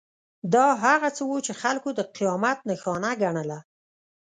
دا هغه څه وو چې خلکو د قیامت نښانه ګڼله.